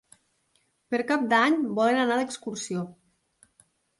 Per Cap d'Any volen anar d'excursió.